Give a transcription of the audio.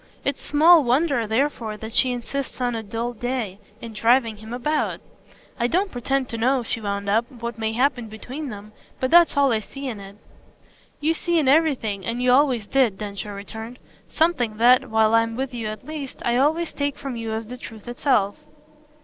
It's small wonder therefore that she insists, on a dull day, in driving him about. I don't pretend to know," she wound up, "what may happen between them; but that's all I see in it." "You see in everything, and you always did," Densher returned, "something that, while I'm with you at least, I always take from you as the truth itself."